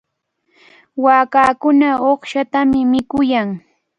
Waakakuna uqshatami mikuyan.